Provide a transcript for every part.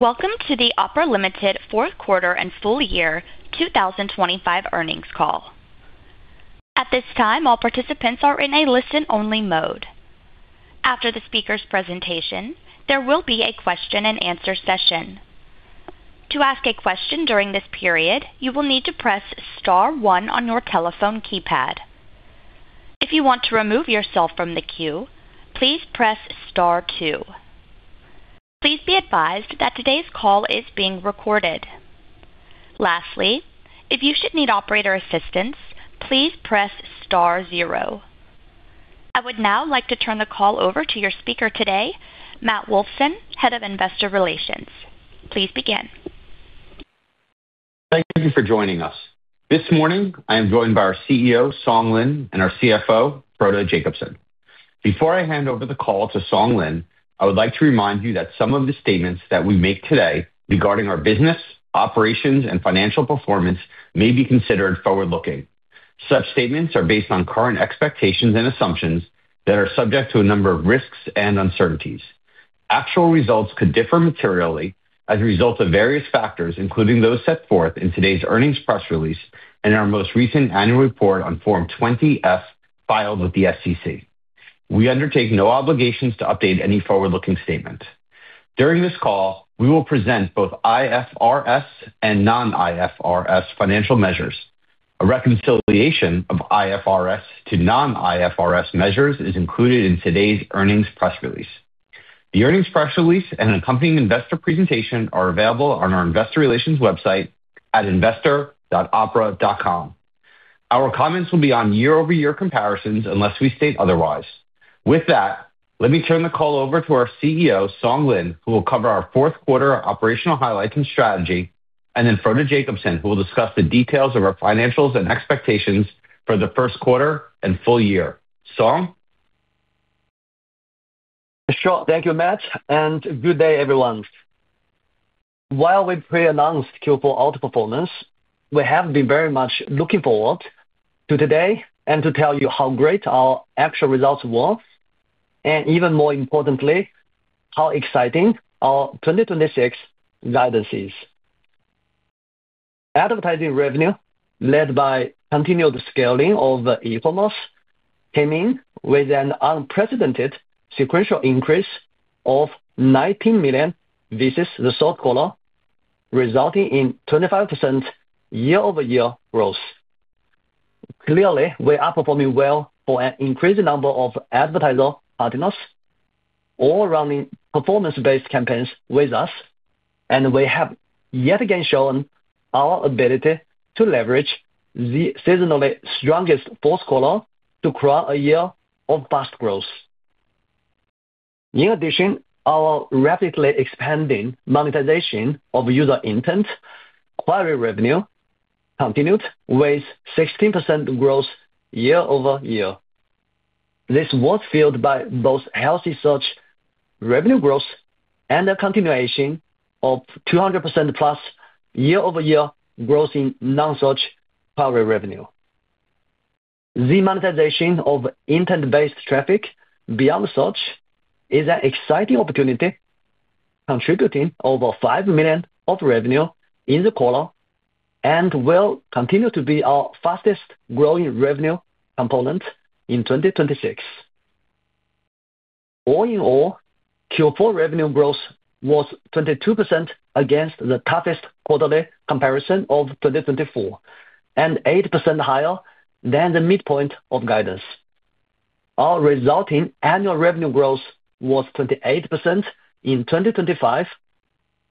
Welcome to the Opera Limited fourth quarter and full year 2025 earnings call. At this time, all participants are in a listen-only mode. After the speaker's presentation, there will be a question and answer session. To ask a question during this period, you will need to press star 1 on your telephone keypad. If you want to remove yourself from the queue, please press star 2. Please be advised that today's call is being recorded. Lastly, if you should need operator assistance, please press star 0. I would now like to turn the call over to your speaker today, Matthew Wolfson, Head of Investor Relations. Please begin. Thank you for joining us. This morning, I am joined by our CEO, Song Lin, and our CFO, Frode Jacobsen. Before I hand over the call to Song Lin, I would like to remind you that some of the statements that we make today regarding our business, operations, and financial performance may be considered forward-looking. Such statements are based on current expectations and assumptions that are subject to a number of risks and uncertainties. Actual results could differ materially as a result of various factors, including those set forth in today's earnings press release and our most recent annual report on Form 20-F filed with the SEC. We undertake no obligations to update any forward-looking statement. During this call, we will present both IFRS and non-IFRS financial measures. A reconciliation of IFRS to non-IFRS measures is included in today's earnings press release. The earnings press release and accompanying investor presentation are available on our investor relations website at investor.opera.com. Our comments will be on year-over-year comparisons, unless we state otherwise. With that, let me turn the call over to our CEO, Song Lin, who will cover our fourth quarter operational highlights and strategy, and then Frode Jacobsen, who will discuss the details of our financials and expectations for the first quarter and full year. Song? Sure. Thank you, Matt, and good day, everyone. While we pre-announced Q4 outperformance, we have been very much looking forward to today and to tell you how great our actual results were, and even more importantly, how exciting our 2026 guidance is. Advertising revenue, led by continued scaling of Emoas, came in with an unprecedented sequential increase of $19 million versus the third quarter, resulting in 25% year-over-year growth. Clearly, we are performing well for an increased number of advertiser partners, all running performance-based campaigns with us, and we have yet again shown our ability to leverage the seasonally strongest fourth quarter to crown a year of fast growth. In addition, our rapidly expanding monetization of user intent query revenue continued with 16% growth year-over-year. This was fueled by both healthy search revenue growth and a continuation of 200%+ year-over-year growth in non-search power revenue. The monetization of intent-based traffic beyond search is an exciting opportunity, contributing over $5 million of revenue in the quarter and will continue to be our fastest growing revenue component in 2026. All in all, Q4 revenue growth was 22% against the toughest quarterly comparison of 2024, and 8% higher than the midpoint of guidance. Our resulting annual revenue growth was 28% in 2025,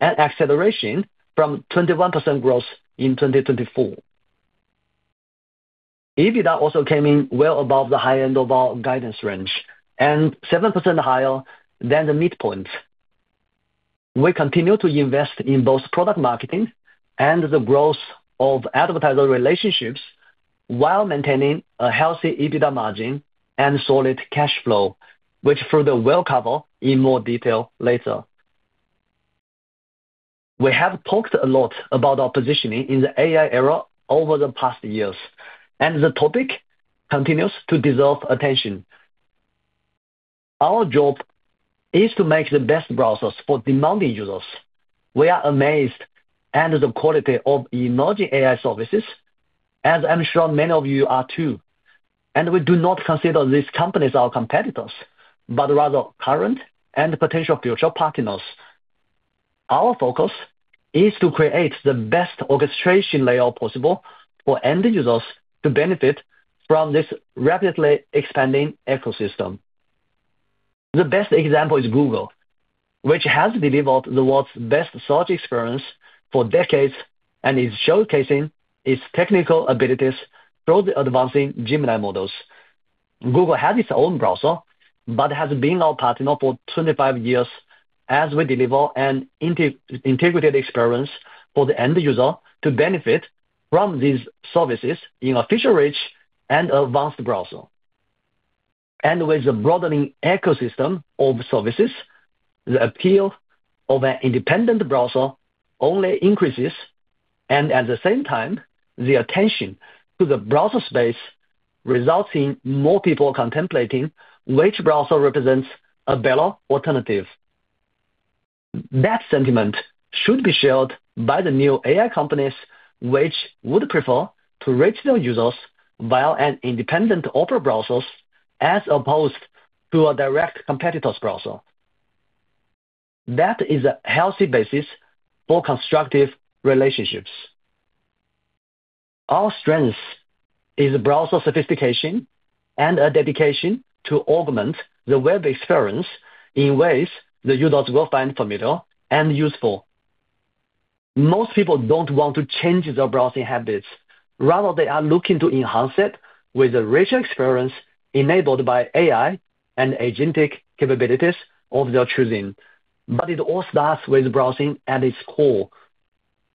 an acceleration from 21% growth in 2024. EBITDA also came in well above the high end of our guidance range and 7% higher than the midpoint. We continue to invest in both product marketing and the growth of advertiser relationships while maintaining a healthy EBITDA margin and solid cash flow, which Frode will cover in more detail later. The topic continues to deserve attention. Our job is to make the best browsers for demanding users. We are amazed at the quality of emerging AI services, as I'm sure many of you are too, and we do not consider these companies our competitors, but rather current and potential future partners. Our focus is to create the best orchestration layer possible for end users to benefit from this rapidly expanding ecosystem. The best example is Google, which has delivered the world's best search experience for decades and is showcasing its technical abilities through the advancing Gemini models. Google has its own browser, has been our partner for 25 years as we deliver an integrated experience for the end user to benefit from these services in a feature-rich and advanced browser. With the broadening ecosystem of services, the appeal of an independent browser only increases. At the same time, the attention to the browser space results in more people contemplating which browser represents a better alternative. That sentiment should be shared by the new AI companies, which would prefer to reach their users via an independent Opera browsers, as opposed to a direct competitor's browser. That is a healthy basis for constructive relationships. Our strength is browser sophistication and a dedication to augment the web experience in ways the users will find familiar and useful. Most people don't want to change their browsing habits. Rather, they are looking to enhance it with a richer experience enabled by AI and agentic capabilities of their choosing. It all starts with browsing at its core.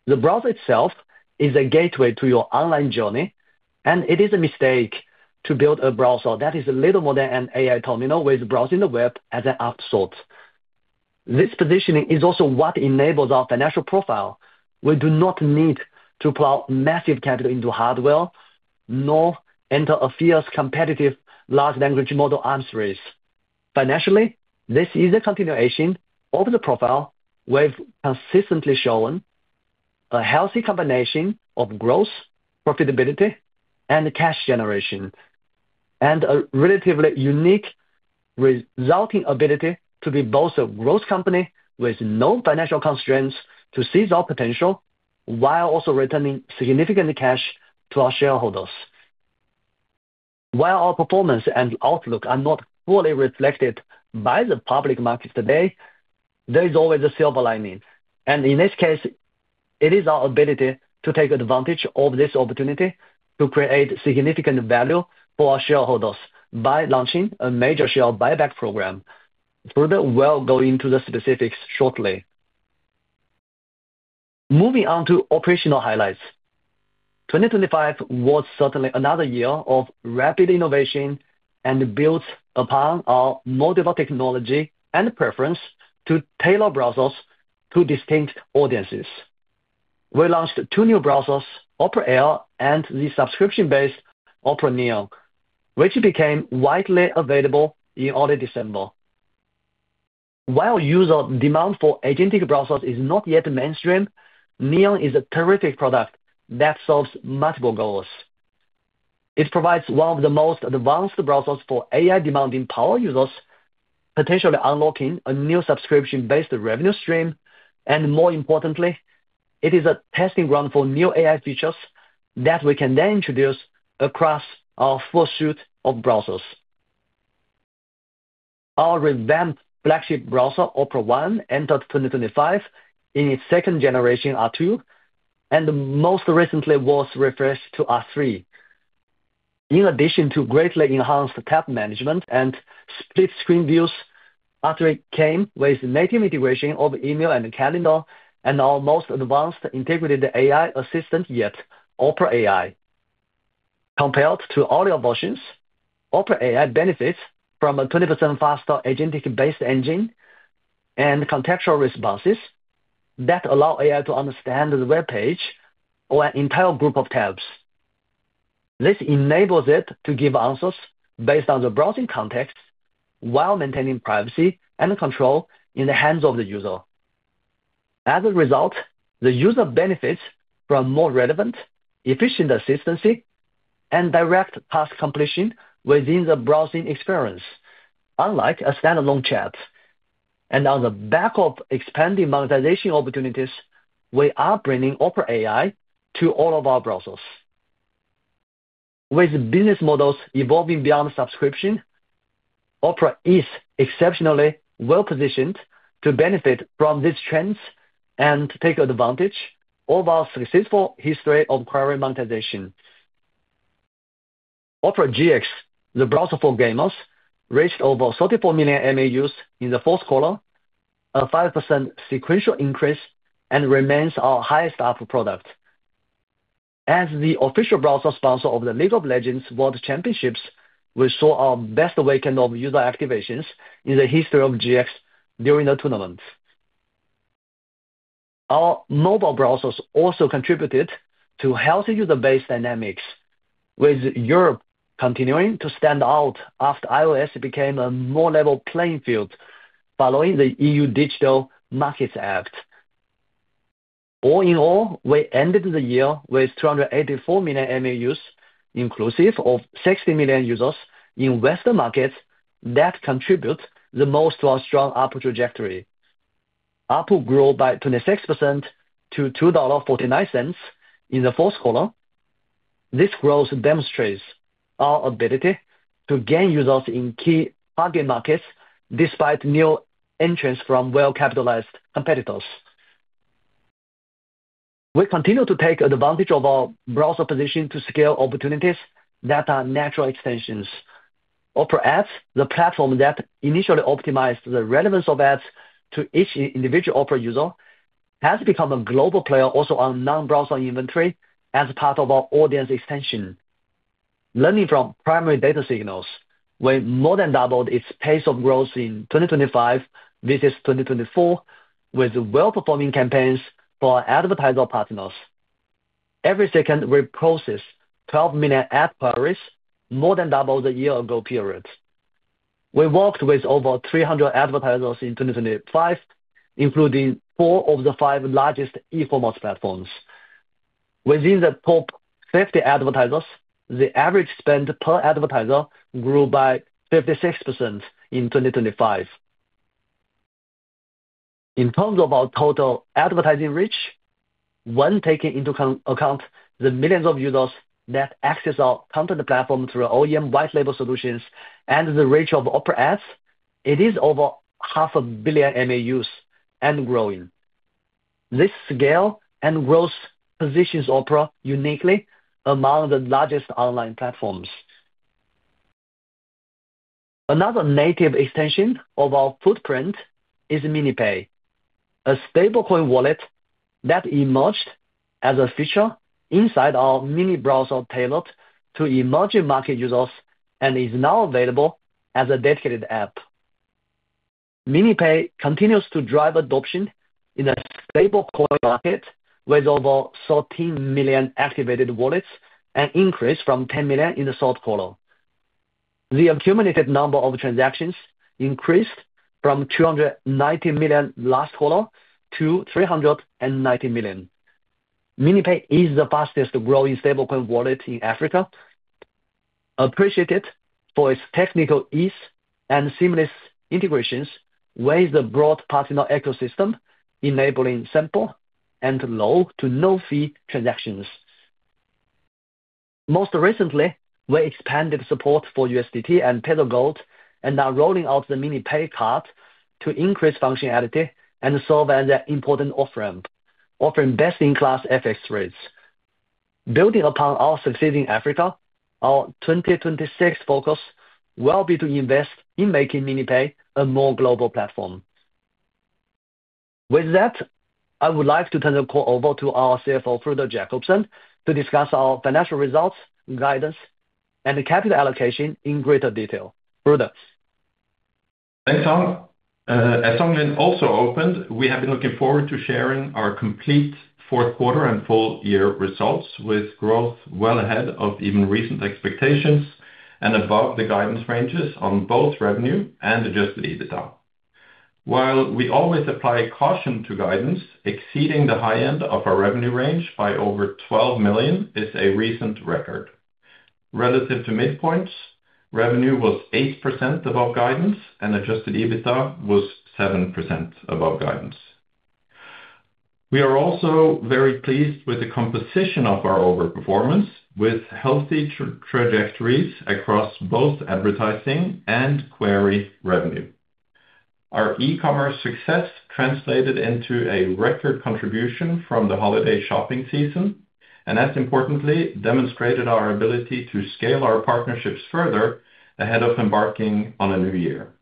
The browser itself is a gateway to your online journey, and it is a mistake to build a browser that is a little more than an AI terminal, with browsing the web as an afterthought. This positioning is also what enables our financial profile. We do not need to plow massive capital into hardware, nor enter a fierce, competitive large language model arms race. Financially, this is a continuation of the profile we've consistently shown, a healthy combination of growth, profitability, and cash generation, and a relatively unique resulting ability to be both a growth company with no financial constraints to seize our potential, while also returning significant cash to our shareholders. While our performance and outlook are not fully reflected by the public market today, there is always a silver lining, and in this case, it is our ability to take advantage of this opportunity to create significant value for our shareholders by launching a major share buyback program. We'll go into the specifics shortly. Moving on to operational highlights. 2025 was certainly another year of rapid innovation and built upon our mobile technology and preference to tailor browsers to distinct audiences. We launched two new browsers, Opera Air and the subscription-based Opera Neon, which became widely available in early December. While user demand for agentic browsers is not yet mainstream, Neon is a terrific product that solves multiple goals. It provides one of the most advanced browsers for AI-demanding power users, potentially unlocking a new subscription-based revenue stream. More importantly, it is a testing ground for new AI features that we can then introduce across our full suite of browsers. Our revamped flagship browser, Opera One, entered 2025 in its second generation, R2, and most recently was refreshed to R3. In addition to greatly enhanced tab management and split screen views, R3 came with native integration of email and calendar and our most advanced integrated AI assistant yet, Opera AI. Compared to all versions, Opera AI benefits from a 20% faster agentic-based engine and contextual responses that allow AI to understand the web page or an entire group of tabs. This enables it to give answers based on the browsing context while maintaining privacy and control in the hands of the user. As a result, the user benefits from more relevant, efficient assistancy and direct task completion within the browsing experience, unlike a standalone chat. On the back of expanding monetization opportunities, we are bringing Opera AI to all of our browsers. With business models evolving beyond subscription, Opera is exceptionally well positioned to benefit from these trends and take advantage of our successful history of query monetization. Opera GX, the browser for gamers, reached over 34 million MAUs in the fourth quarter, a 5% sequential increase, and remains our highest ARPU product. As the official browser sponsor of the League of Legends World Championships, we saw our best weekend of user activations in the history of GX during the tournament. Our mobile browsers also contributed to healthy user base dynamics, with Europe continuing to stand out after iOS became a more level playing field following the EU Digital Markets Act. All in all, we ended the year with 284 million MAUs, inclusive of 60 million users in Western markets that contribute the most to our strong ARPU trajectory. ARPU grew by 26% to $2.49 in the fourth quarter. This growth demonstrates our ability to gain users in key target markets, despite new entrants from well-capitalized competitors. Opera Ads, the platform that initially optimized the relevance of ads to each individual Opera user, has become a global player also on non-browser inventory as part of our audience extension. Learning from primary data signals, we more than doubled its pace of growth in 2025 versus 2024, with well-performing campaigns for our advertiser partners. Every second, we process 12 million ad queries, more than double the year ago period. We worked with over 300 advertisers in 2025, including 4 of the 5 largest e-commerce platforms. Within the top 50 advertisers, the average spend per advertiser grew by 56% in 2025. In terms of our total advertising reach, when taking into account the millions of users that access our content platform through our OEM white label solutions and the reach of Opera apps, it is over half a billion MAUs and growing. This scale and growth positions Opera uniquely among the largest online platforms. Another native extension of our footprint is MiniPay, a stablecoin wallet that emerged as a feature inside our mini browser tailored to emerging market users, and is now available as a dedicated app. MiniPay continues to drive adoption in a stablecoin market, with over 13 million activated wallets, an increase from 10 million in the third quarter. The accumulated number of transactions increased from 290 million last quarter to 390 million. MiniPay is the fastest-growing stablecoin wallet in Africa, appreciated for its technical ease and seamless integrations with the broad partner ecosystem, enabling simple and low to no-fee transactions. Most recently, we expanded support for USDT and Tether Gold, and are rolling out the MiniPay card to increase functionality and serve as an important off-ramp, offering best-in-class FX rates. Building upon our success in Africa, our 2026 focus will be to invest in making MiniPay a more global platform. With that, I would like to turn the call over to our CFO, Frode Jacobsen, to discuss our financial results, guidance, and capital allocation in greater detail. Frode? Thanks, Song. As Song also opened, we have been looking forward to sharing our complete fourth quarter and full year results with growth well ahead of even recent expectations, and above the guidance ranges on both revenue and adjusted EBITDA. While we always apply caution to guidance, exceeding the high end of our revenue range by over $12 million is a recent record. Relative to midpoints, revenue was 8% above guidance, and adjusted EBITDA was 7% above guidance. We are also very pleased with the composition of our overperformance, with healthy trajectories across both advertising and query revenue. Our e-commerce success translated into a record contribution from the holiday shopping season, and as importantly, demonstrated our ability to scale our partnerships further ahead of embarking on a new year.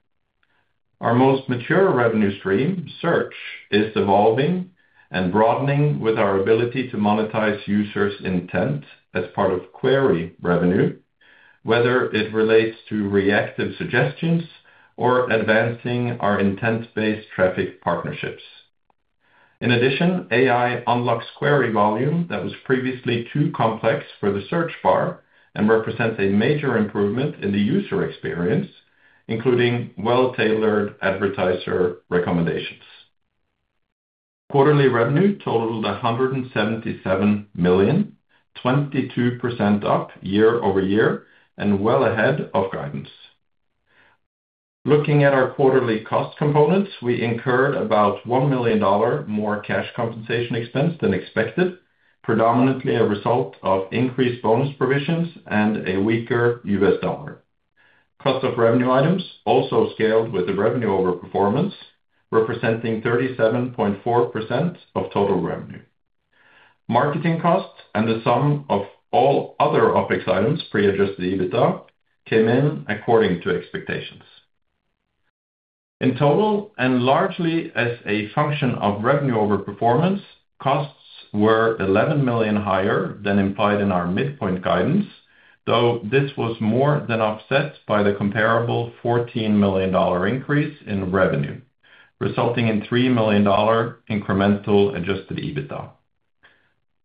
Our most mature revenue stream, search, is evolving and broadening with our ability to monetize users' intent as part of query revenue, whether it relates to reactive suggestions or advancing our intent-based traffic partnerships. In addition, AI unlocks query volume that was previously too complex for the search bar and represents a major improvement in the user experience, including well-tailored advertiser recommendations. Quarterly revenue totaled $177 million, 22% up year-over-year, well ahead of guidance. Looking at our quarterly cost components, we incurred about $1 million more cash compensation expense than expected, predominantly a result of increased bonus provisions and a weaker U.S. dollar. Cost of revenue items also scaled with the revenue overperformance, representing 37.4% of total revenue. Marketing costs, the sum of all other OpEx items, pre-adjusted EBITDA, came in according to expectations. In total, and largely as a function of revenue overperformance, costs were $11 million higher than implied in our midpoint guidance, though this was more than offset by the comparable $14 million increase in revenue, resulting in $3 million incremental adjusted EBITDA.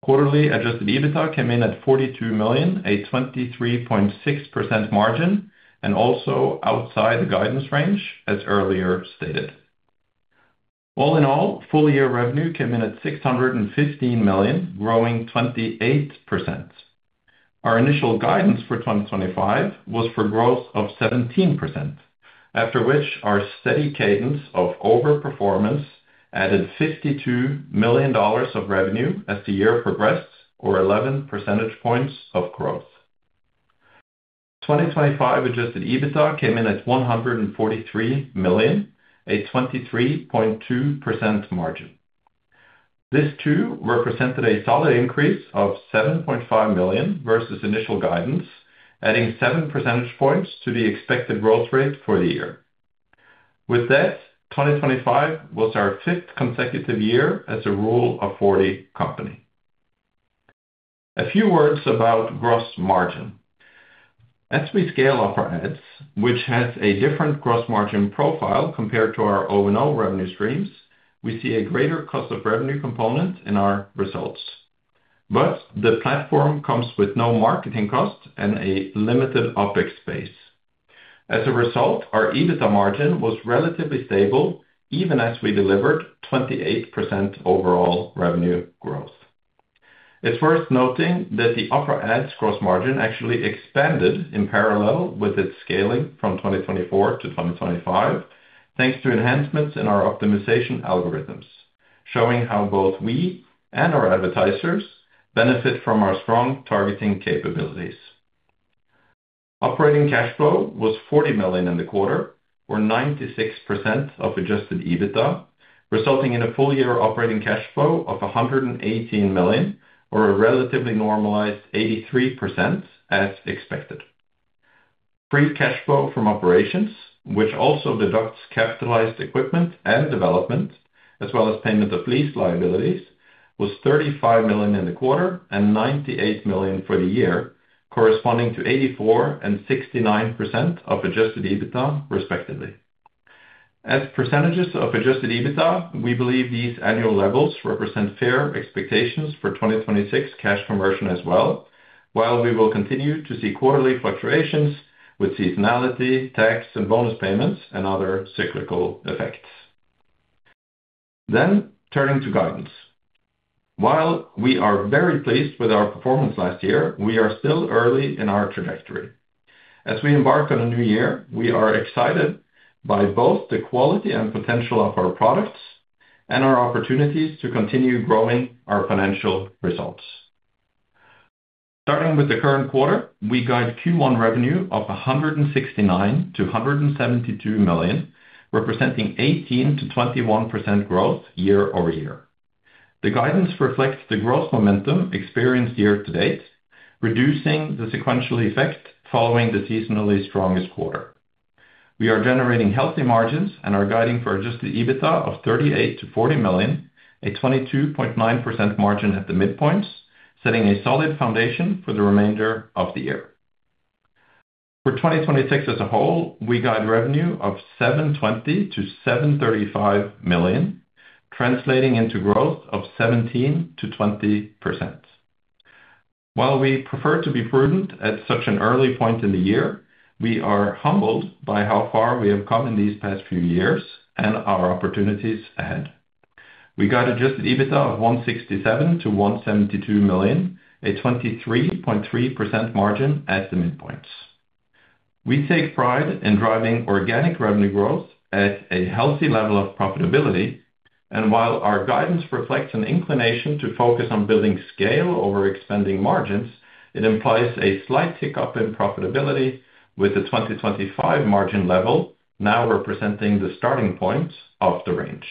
Quarterly adjusted EBITDA came in at $42 million, a 23.6% margin, and also outside the guidance range, as earlier stated. All in all, full year revenue came in at $615 million, growing 28%. Our initial guidance for 2025 was for growth of 17%, after which our steady cadence of overperformance added $52 million of revenue as the year progressed, or 11 percentage points of growth. 2025 adjusted EBITDA came in at $143 million, a 23.2% margin. This, too, represented a solid increase of $7.5 million versus initial guidance, adding 7 percentage points to the expected growth rate for the year. With that, 2025 was our fifth consecutive year as a Rule of 40 company. A few words about gross margin. As we scale Opera Ads, which has a different gross margin profile compared to our O&O revenue streams, we see a greater cost of revenue component in our results. The platform comes with no marketing cost and a limited OpEx base. As a result, our EBITDA margin was relatively stable, even as we delivered 28% overall revenue growth. It's worth noting that the Opera Ads gross margin actually expanded in parallel with its scaling from 2024 to 2025, thanks to enhancements in our optimization algorithms, showing how both we and our advertisers benefit from our strong targeting capabilities. Operating cash flow was $40 million in the quarter, or 96% of Adjusted EBITDA, resulting in a full-year operating cash flow of $118 million, or a relatively normalized 83% as expected. Free cash flow from operations, which also deducts capitalized equipment and development, as well as payment of lease liabilities, was $35 million in the quarter and $98 million for the year, corresponding to 84% and 69% of Adjusted EBITDA, respectively. Turning to guidance. While we are very pleased with our performance last year, we are still early in our trajectory. As we embark on a new year, we are excited by both the quality and potential of our products and our opportunities to continue growing our financial results. Starting with the current quarter, we guide Q1 revenue of $169 million-$172 million, representing 18%-21% growth year-over-year. The guidance reflects the growth momentum experienced year-to-date, reducing the sequential effect following the seasonally strongest quarter. We are generating healthy margins and are guiding for adjusted EBITDA of $38 million-$40 million, a 22.9% margin at the midpoints, setting a solid foundation for the remainder of the year. For 2026 as a whole, we guide revenue of $720 million-$735 million, translating into growth of 17%-20%. While we prefer to be prudent at such an early point in the year, we are humbled by how far we have come in these past few years and our opportunities ahead. We got Adjusted EBITDA of $167 million-$172 million, a 23.3% margin at the midpoints. While our guidance reflects an inclination to focus on building scale over expanding margins, it implies a slight tick up in profitability, with the 2025 margin level now representing the starting points of the range.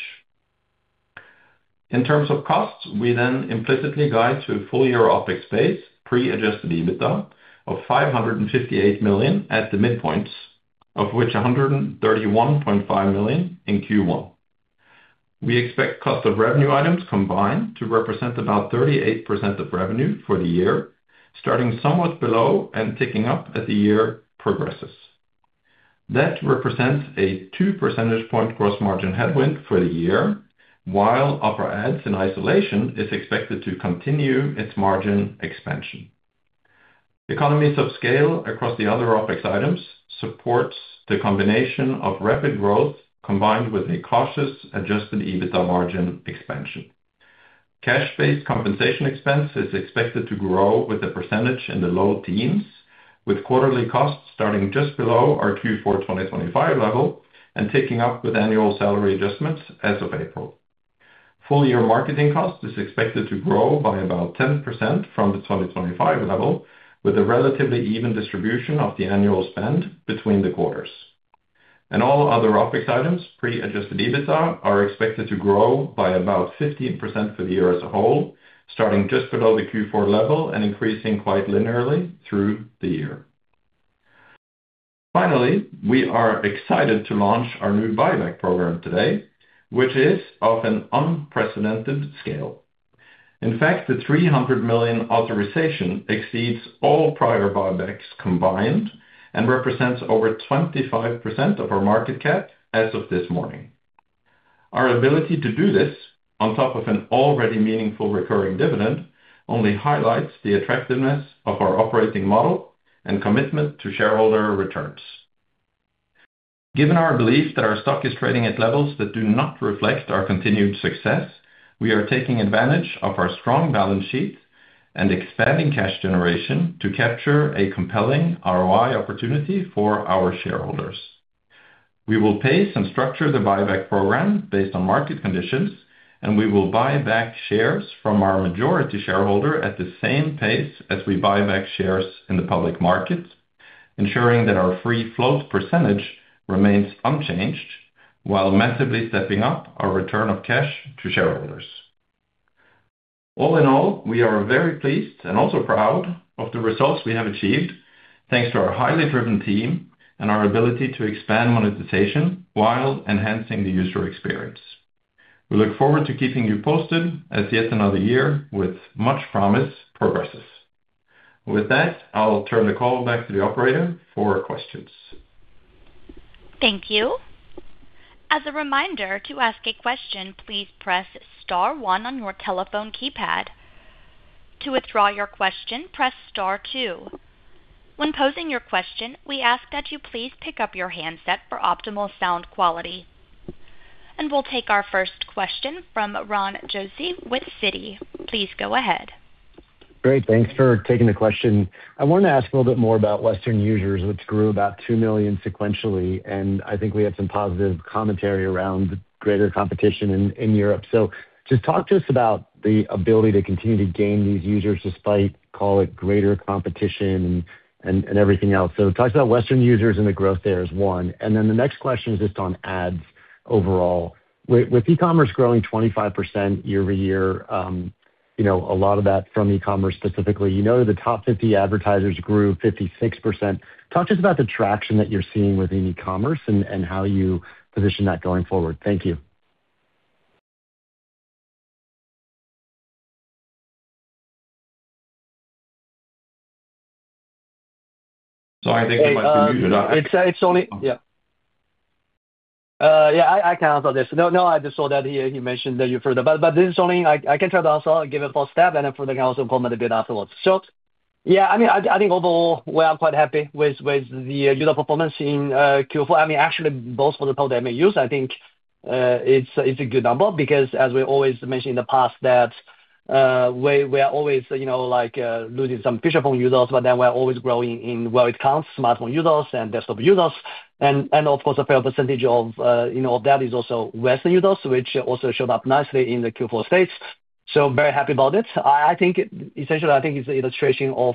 In terms of costs, we implicitly guide to a full-year OpEx base, pre-Adjusted EBITDA, of $558 million at the midpoints, of which $131.5 million in Q1. We expect cost of revenue items combined to represent about 38% of revenue for the year, starting somewhat below and ticking up as the year progresses. That represents a 2 percentage point gross margin headwind for the year, while Opera Ads in isolation, is expected to continue its margin expansion. Economies of scale across the other OpEx items supports the combination of rapid growth, combined with a cautious, adjusted EBITDA margin expansion. Cash-based compensation expense is expected to grow with a percentage in the low teens, with quarterly costs starting just below our Q4 2025 level and ticking up with annual salary adjustments as of April. Full-year marketing cost is expected to grow by about 10% from the 2025 level, with a relatively even distribution of the annual spend between the quarters. All other OpEx items, pre-adjusted EBITDA, are expected to grow by about 15% for the year as a whole, starting just below the Q4 level and increasing quite linearly through the year. Finally, we are excited to launch our new buyback program today, which is of an unprecedented scale. In fact, the $300 million authorization exceeds all prior buybacks combined and represents over 25% of our market cap as of this morning. Our ability to do this, on top of an already meaningful recurring dividend, only highlights the attractiveness of our operating model and commitment to shareholder returns. Given our belief that our stock is trading at levels that do not reflect our continued success, we are taking advantage of our strong balance sheet and expanding cash generation to capture a compelling ROI opportunity for our shareholders. We will pace and structure the buyback program based on market conditions, and we will buy back shares from our majority shareholder at the same pace as we buy back shares in the public market, ensuring that our free float percentage remains unchanged while massively stepping up our return of cash to shareholders. All in all, we are very pleased and also proud of the results we have achieved, thanks to our highly driven team and our ability to expand monetization while enhancing the user experience. We look forward to keeping you posted as yet another year with much promise progresses. With that, I'll turn the call back to the operator for questions. Thank you. As a reminder, to ask a question, please press star 1 on your telephone keypad. To withdraw your question, press star 2. When posing your question, we ask that you please pick up your handset for optimal sound quality. We'll take our first question from Ron Josey with Citi. Please go ahead. Great, thanks for taking the question. I wanted to ask a little bit more about Western users, which grew about 2 million sequentially, and I think we had some positive commentary around greater competition in Europe. Just talk to us about the ability to continue to gain these users despite, call it, greater competition and everything else. Talk about Western users and the growth there as one. The next question is just on ads overall. With e-commerce growing 25% year-over-year, you know, a lot of that from e-commerce specifically, you know, the top 50 advertisers grew 56%. Talk to us about the traction that you're seeing within e-commerce and how you position that going forward. Thank you. Sorry, I think you might be muted. It's only. Yeah, I can answer this. No, no, I just saw that he mentioned that Frode, but this is only I can try to also give a full step and then Frode I can also comment a bit afterwards. Yeah, I mean, I think overall, we are quite happy with the user performance in Q4. I mean, actually, both for the MAUs, I think, it's a good number, because as we always mentioned in the past, that, we are always like losing some feature phone users, but then we're always growing in where it counts, smartphone users and desktop users. Of course, a fair percentage of that is also Western users, which also showed up nicely in the Q4 stats. Very happy about it. I think, essentially, I think it's an illustration of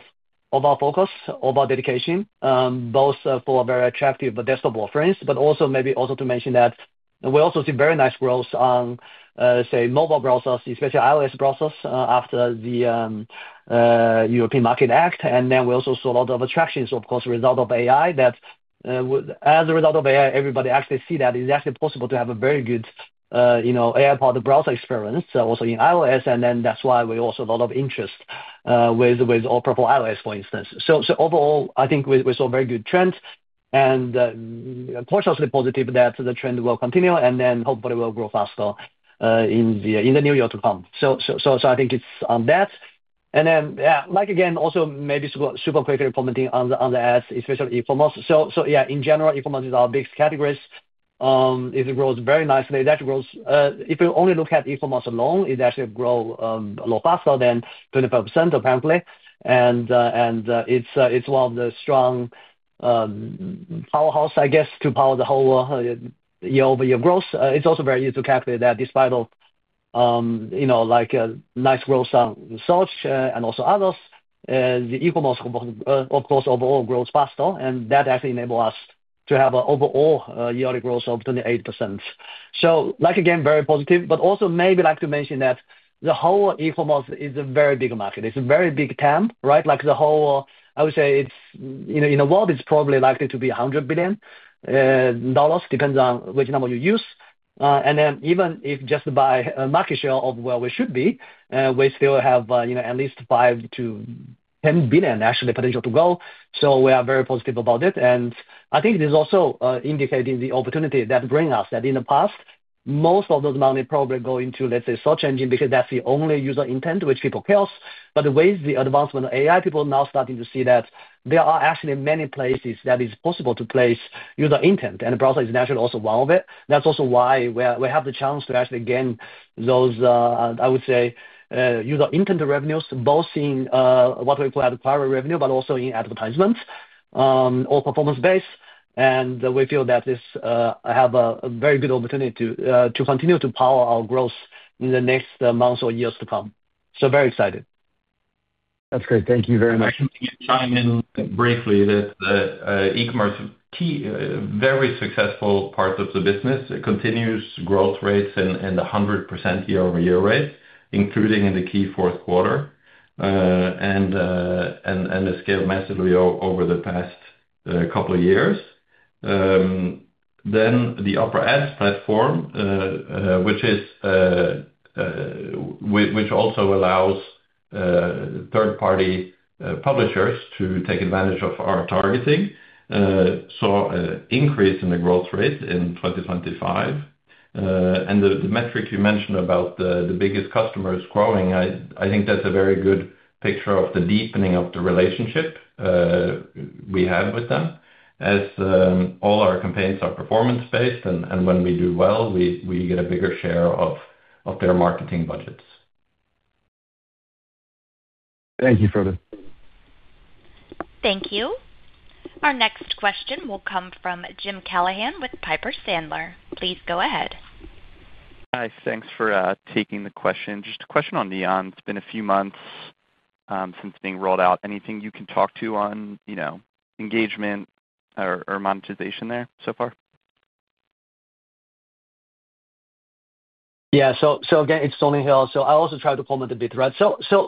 our focus, of our dedication, both for very attractive desktop offerings, but also maybe also to mention that we also see very nice growth on, say, mobile browsers, especially iOS browsers, after the Digital Markets Act. Then we also saw a lot of attractions, of course, result of AI, that as a result of AI, everybody actually see that it's actually possible to have a very good, you know, AI-powered browser experience also in iOS, and that's why we also a lot of interest with Opera for iOS, for instance. Overall, I think we saw very good trends, and cautiously positive that the trend will continue hopefully will grow faster in the new year to come. I think it's on that. Again, also maybe super quickly commenting on the ads, especially e-commerce. In general, e-commerce is our biggest categories. It grows very nicely. That grows, if you only look at e-commerce alone, it actually grow a lot faster than 25%, apparently. It's one of the strong powerhouse, I guess, to power the whole year-over-year growth. It's also very easy to calculate that despite of like a nice growth on search, and also others, the e-commerce, of course, overall grows faster, and that actually enable us to have an overall, yearly growth of 28%. Again, very positive, but also maybe like to mention that the whole e-commerce is a very big market. It's a very big TAM, right? Like the whole, I would say it's, in a world, it's probably likely to be $100 billion, depends on which number you use. Even if just by a market share of where we should be, we still have at least $5 billion-$10 billion actually potential to grow. We are very positive about it. I think this is also indicating the opportunity that bring us, that in the past, most of those money probably go into, let's say, search engine, because that's the only user intent which people cares. With the advancement of AI, people are now starting to see that there are actually many places that is possible to place user intent, and the browser is naturally also one of it. That's also why we have the chance to actually gain those, I would say, user intent revenues, both in what we call acquired revenue, but also in advertisements or performance-based. We feel that this have a very good opportunity to continue to power our growth in the next months or years to come. Very excited. That's great. Thank you very much. In briefly that e-commerce key, very successful part of the business. It continues growth rates and 100% year-over-year rate, including in the key fourth quarter, and has scaled massively over the past couple of years. The Opera Ads platform, which also allows third party publishers to take advantage of our targeting, saw an increase in the growth rate in 2025. The metric you mentioned about the biggest customers growing, I think that's a very good picture of the deepening of the relationship we have with them. As all our campaigns are performance-based, and when we do well, we get a bigger share of their marketing budgets. Thank you, Frode. Thank you. Our next question will come from Brent Thill with Piper Sandler. Please go ahead. Hi. Thanks for taking the question. Just a question on Neon. It's been a few months since being rolled out. Anything you can talk to on engagement or monetization there so far? Yeah. Again, it'++s Tony Hill. I also try to comment a bit, right?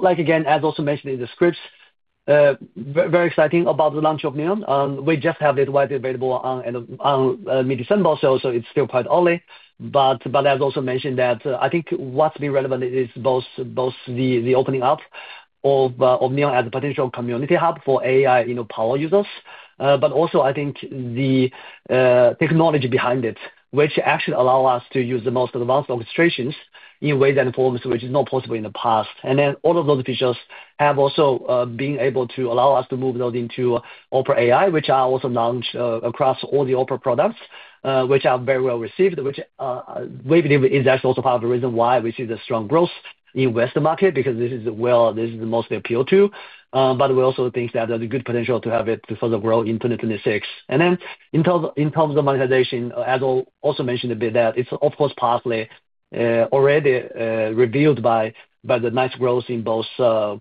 Like, again, as also mentioned in the scripts, very exciting about the launch of Neon. We just have it widely available on mid-December, so it's still quite early. I've also mentioned that I think what's been relevant is both the opening up of Neon as a potential community hub for AI users, but also I think the technology behind it, which actually allow us to use the most advanced orchestrations in ways and forms which is not possible in the past. All of those features have also been able to allow us to move those into Opera AI, which are also launched across all the Opera products, which are very well received, which we believe is actually also part of the reason why we see the strong growth in Western market, because this is where this is mostly appeal to. We also think that there's a good potential to have it further grow in 2026. In terms of monetization, as I'll also mention a bit, that it's of course, partly, already, revealed by the nice growth in both,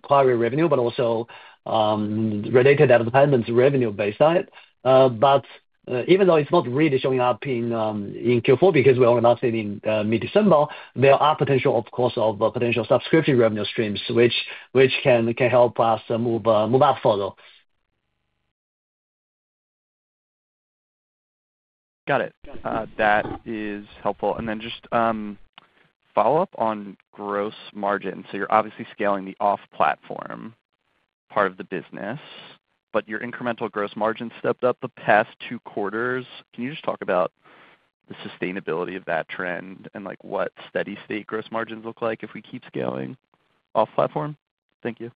query revenue, but also, related advertisements revenue base side. Even though it's not really showing up in Q4 because we only announced it in mid-December, there are potential, of course, of potential subscription revenue streams, which can help us move out further. Got it. That is helpful. Just follow up on gross margin. You're obviously scaling the off platform part of the business, but your incremental gross margin stepped up the past two quarters. Can you just talk about the sustainability of that trend and, like, what steady state gross margins look like if we keep scaling off platform? Thank you.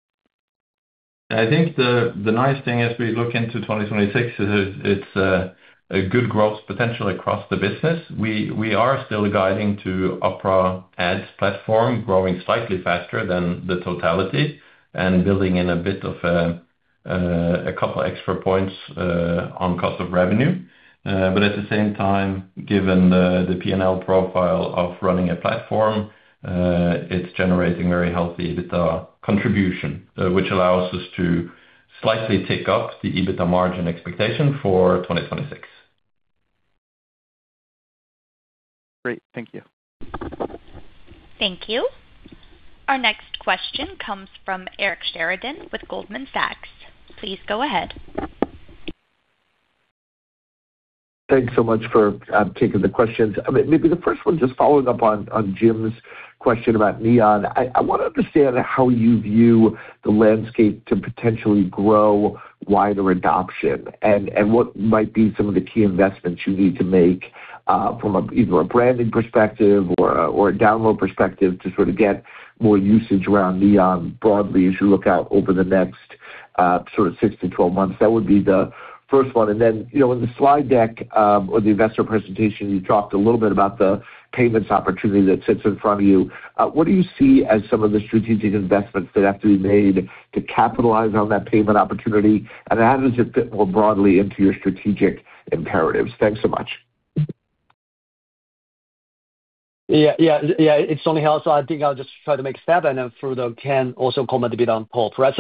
I think the nice thing as we look into 2026 is it's a good growth potential across the business. We are still guiding to Opera Ads platform, growing slightly faster than the totality and building in a bit of a couple extra points on cost of revenue. At the same time, given the PNL profile of running a platform, it's generating very healthy EBITDA contribution, which allows us to slightly tick up the EBITDA margin expectation for 2026. Great. Thank you. Thank you. Our next question comes from Eric Sheridan with Goldman Sachs. Please go ahead. Thanks so much for taking the questions. I mean, maybe the first one, just following up on Jim's question about Neon. I wanna understand how you view the landscape to potentially grow wider adoption, and what might be some of the key investments you need to make from either a branding perspective or a download perspective, to sort of get more usage around Neon broadly as you look out over the next 6-12 months? That would be the first one. You know, in the slide deck or the investor presentation, you talked a little bit about the payments opportunity that sits in front of you. What do you see as some of the strategic investments that have to be made to capitalize on that payment opportunity, and how does it fit more broadly into your strategic imperatives? Thanks so much. Yeah, yeah, it's Tony Hill. I think I'll just try to make a start and then Furdo can also comment a bit on Paul, right?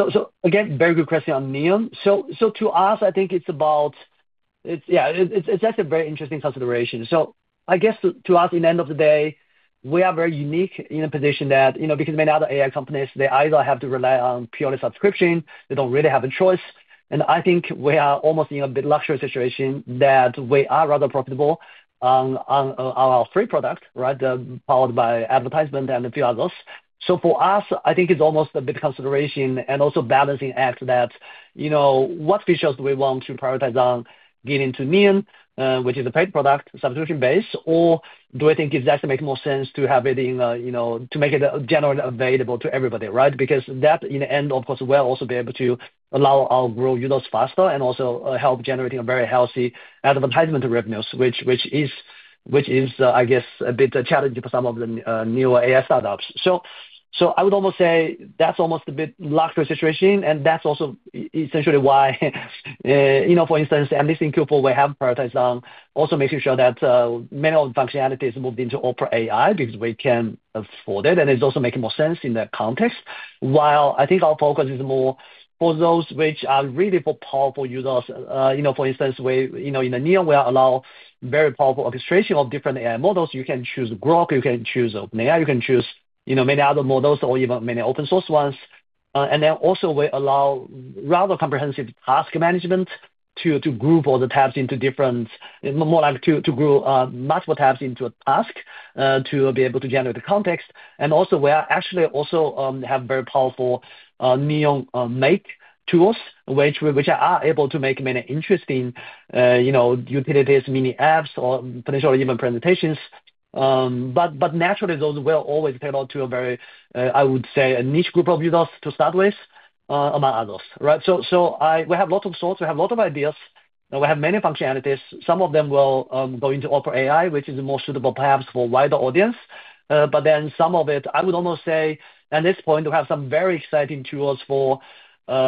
Again, very good question on Neon. To us, it's actually a very interesting consideration. I guess to us, in the end of the day, we are very unique in a position that, you know, because many other AI companies, they either have to rely on purely subscription, they don't really have a choice. I think we are almost in a bit luxury situation that we are rather profitable on our free product, right? Followed by advertisement and a few others. For us, I think it's almost a big consideration and also balancing act that what features do we want to prioritize on getting to Neon, which is a paid product, subscription-based, or do I think it does make more sense to have it in to make it generally available to everybody, right? That in the end, of course, will also be able to allow our grow users faster and also, help generating a very healthy advertisement revenues, which is, I guess, a bit challenging for some of the new AI startups. I would almost say that's almost a bit luxury situation, and that's also essentially why, you know, for instance, at least in Q4, we have prioritized on also making sure that many of the functionalities moved into Opera AI because we can afford it, and it's also making more sense in that context. While I think our focus is more for those which are really for powerful users. For instance, in the near we allow very powerful orchestration of different AI models. You can choose Grok, you can choose OpenAI, you can choose many other models or even many open source ones. Then also we allow rather comprehensive task management to group all the tabs into different, more like to group multiple tabs into a task to be able to generate the context. Also we are actually also have very powerful Neon Make tools, which are able to make many interesting utilities, mini apps or potentially even presentations. Naturally, those will always appeal to a very, I would say, a niche group of users to start with, among others, right? We have lots of thoughts, we have a lot of ideas, and we have many functionalities. Some of them will go into Opera AI, which is more suitable perhaps for wider audience. Some of it, I would almost say at this point, we have some very exciting tools for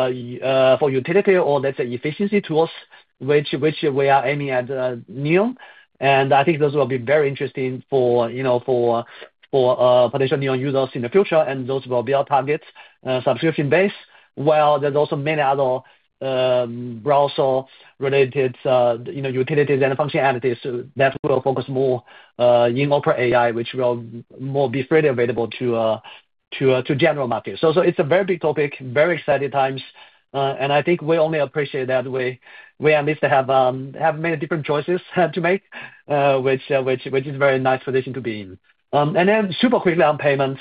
utility or let's say, efficiency tools, which we are aiming at Neon. I think those will be very interesting for, you know, for potential Neon users in the future, and those will be our targets subscription base. While there's also many other browser related, you know, utilities and functionalities that will focus more in Opera AI, which will more be freely available to general market. It's a very big topic, very exciting times, and I think we only appreciate that we at least have many different choices to make, which is a very nice position to be in. Super quickly on payments.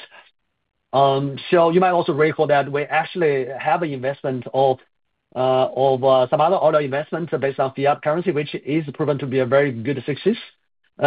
You might also recall that we actually have an investment of some other auto investments based on fiat currency, which is proven to be a very good success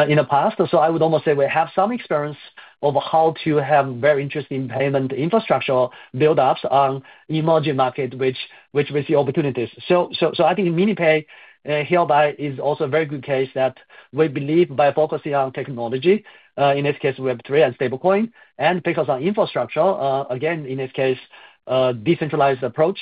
in the past. I would almost say we have some experience of how to have very interesting payment infrastructure buildups on emerging market, which we see opportunities. I think MiniPay hereby is also a very good case that we believe by focusing on technology, in this case, Web3 and Stablecoin, and focus on infrastructure, again, in this case, decentralized approach,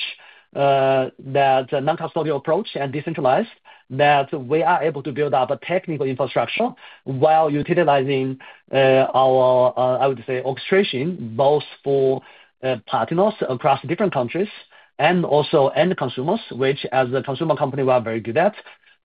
that non-custodial approach and decentralized, that we are able to build up a technical infrastructure while utilizing our, I would say, orchestration, both for partners across different countries and also end consumers, which as a consumer company we are very good at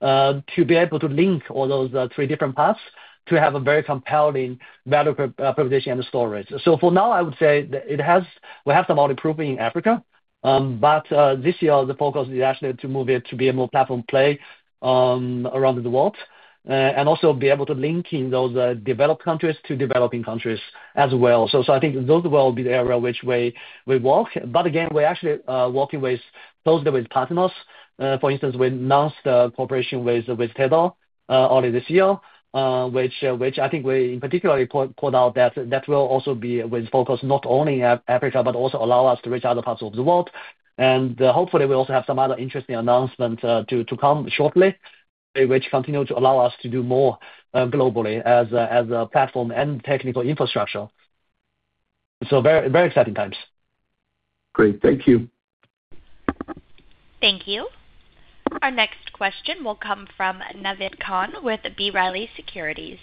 to be able to link all those three different paths, to have a very compelling value proposition and storage. For now, I would say that it has we have some auto proving in Africa, but this year the focus is actually to move it to be a more platform play around the world, and also be able to link in those developed countries to developing countries as well. I think those will be the area which way we work. Again, we're actually working with, both with partners. For instance, we announced a cooperation with Tether early this year, which I think we particularly point out that that will also be with focus not only at Africa, but also allow us to reach other parts of the world. Hopefully, we also have some other interesting announcements to come shortly, which continue to allow us to do more globally as a platform and technical infrastructure. Very, very exciting times. Great. Thank you. Thank you. Our next question will come from Naved Khan, with B. Riley Securities.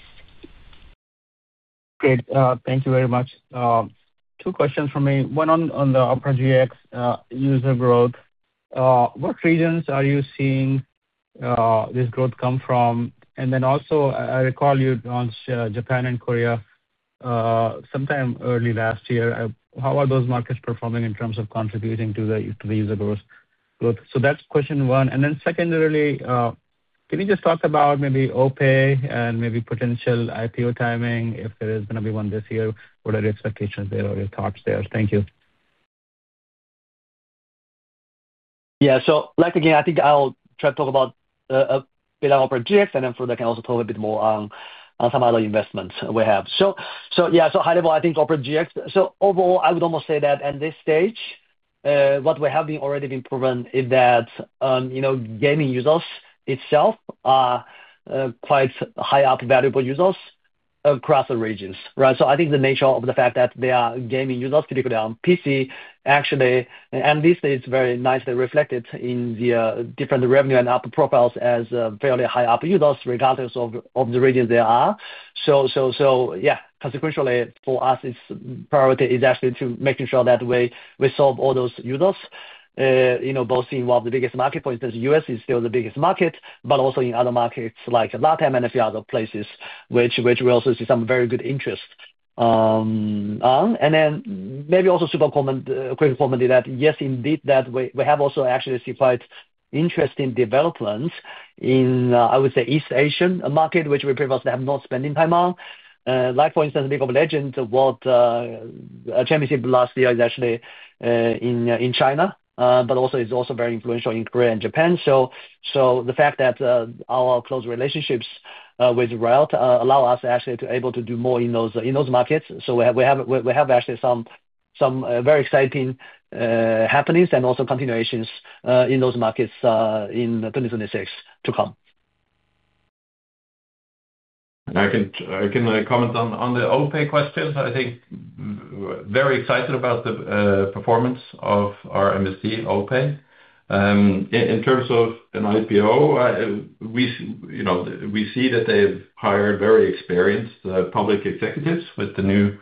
Great. Thank you very much. Two questions for me. One on Opera GX user growth. What regions are you seeing this growth come from? Also, I recall you launched Japan and Korea sometime early last year. How are those markets performing in terms of contributing to the user growth? That's question one. Secondly, can you just talk about OPay and maybe potential IPO timing, if there is going to be one this year? What are the expectations there or your thoughts there? Thank you. Like, again, I think I'll try to talk about, bit on Opera GX, and then further I can also talk a bit more on some other investments we have. High level, I think Opera GX. Overall, I would almost say that at this stage, what we have been already been proven is that, you know, gaming users itself are, quite high up valuable users across the regions, right? I think the nature of the fact that they are gaming users, particularly on PC, actually, and this is very nicely reflected in the, different revenue and ARPU profiles as, fairly high ARPU users, regardless of the regions they are. Consequentially, for us, it's priority is actually to making sure that we solve all those users, you know, both in one of the biggest market points, as U.S. is still the biggest market, but also in other markets like Latin and a few other places, which we also see some very good interest on. Maybe also super comment, quick comment is that, yes, indeed, that we have also actually seen quite interesting developments in, I would say, East Asian market, which we previously have not spending time on. Like, for instance, League of Legends World Championship last year is actually in China, but also is also very influential in Korea and Japan. The fact that our close relationships with Riot allow us actually to able to do more in those markets. We have actually some very exciting happenings and also continuations in those markets in 2026 to come. I can comment on the OPay question. I think very excited about the performance of our MSC, OPay. In terms of an IPO, we, you know, we see that they've hired very experienced public executives with the new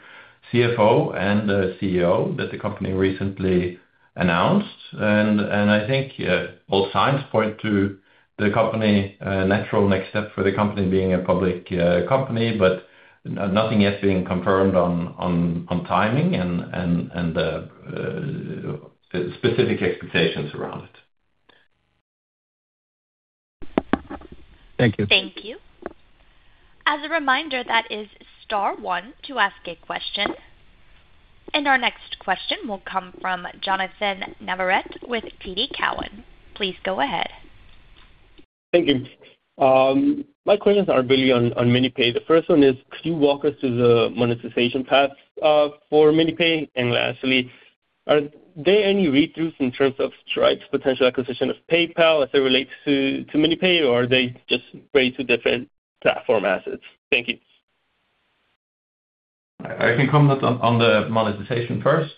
CFO and the CEO that the company recently announced. I think all signs point to the company natural next step for the company being a public company, but nothing yet being confirmed on timing and specific expectations around it. Thank you. Thank you. As a reminder, that is star 1 to ask a question. Our next question will come from Lance Vitanza with TD Cowen. Please go ahead. Thank you. My questions are really on Minipay. The first one is, could you walk us through the monetization path for Minipay? Lastly, are there any read-throughs in terms of Stripe's potential acquisition of PayPal as it relates to Minipay, or are they just very two different platform assets? Thank you. I can comment on the monetization first.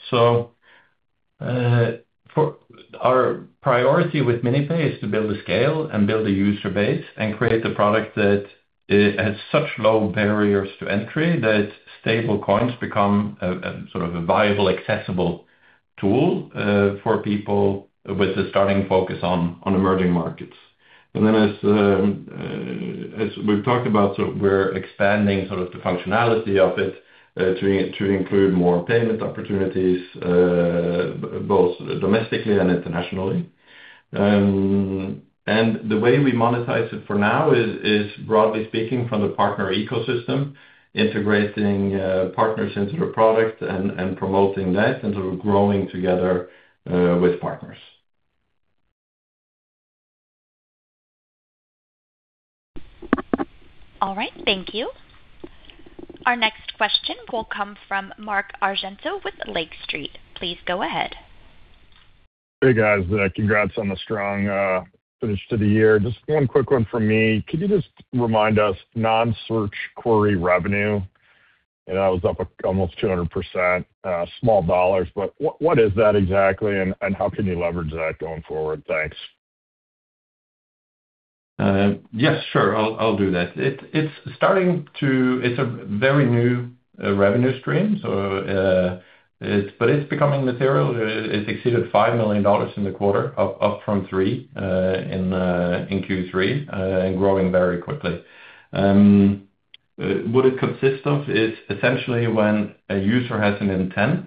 Our priority with MiniPay is to build a scale and build a user base and create a product that has such low barriers to entry, that stablecoins become a sort of a viable, accessible tool for people with a starting focus on emerging markets. As we've talked about, we're expanding sort of the functionality of it to include more payment opportunities, both domestically and internationally. The way we monetize it for now is broadly speaking, from the partner ecosystem, integrating partners into the product and promoting that, and so growing together with partners. All right, thank you. Our next question will come from Mark Argento with Lake Street. Please go ahead. Hey, guys. congrats on the strong finish to the year. Just one quick one from me: Could you just remind us, non-search query revenue, and that was up almost 200%, small dollars, but what is that exactly, and how can you leverage that going forward? Thanks. Yes, sure. I'll do that. It's a very new revenue stream, so it's becoming material. It exceeded $5 million in the quarter, up from 3 in Q3, and growing very quickly. What it consists of is essentially when a user has an intent,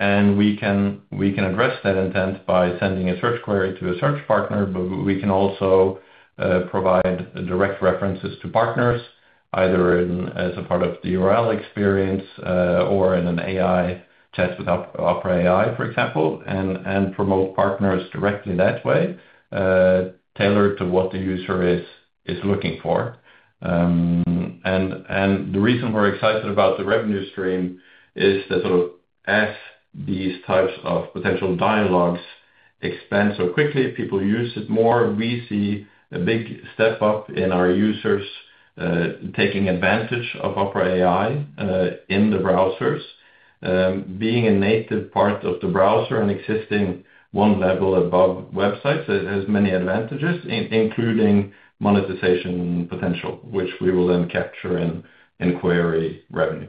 and we can address that intent by sending a search query to a search partner. We can also provide direct references to partners, either in as a part of the URL experience, or in an AI chat with Opera AI, for example, and promote partners directly that way, tailored to what the user is looking for. The reason we're excited about the revenue stream is that sort of as these types of potential dialogues expand so quickly, people use it more. We see a big step up in our users taking advantage of Opera AI in the browsers. Being a native part of the browser and existing one level above websites, it has many advantages, including monetization potential, which we will then capture in query revenue.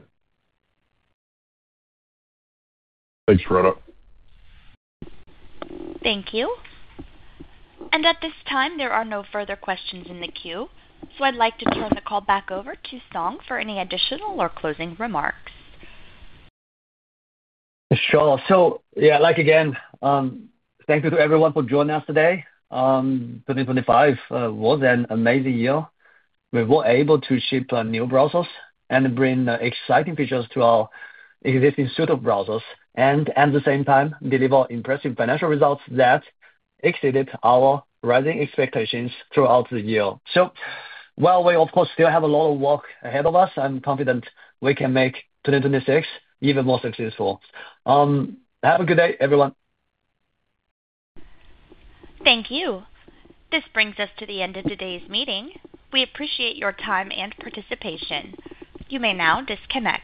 Thanks for that. Thank you. At this time, there are no further questions in the queue, so I'd like to turn the call back over to Song for any additional or closing remarks. Sure. Yeah, like, again, thank you to everyone for joining us today. 2025 was an amazing year. We were able to ship our new browsers and bring exciting features to our existing suite of browsers and, at the same time, deliver impressive financial results that exceeded our rising expectations throughout the year. While we, of course, still have a lot of work ahead of us, I'm confident we can make 2026 even more successful. Have a good day, everyone. Thank you. This brings us to the end of today's meeting. We appreciate your time and participation. You may now disconnect.